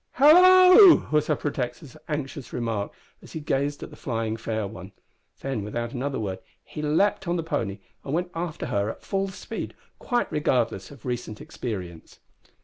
"Hallo!" was her protector's anxious remark as he gazed at the flying fair one. Then, without another word, he leaped on the pony and went after her at full speed, quite regardless of recent experience.